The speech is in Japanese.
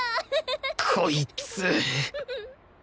こいつ！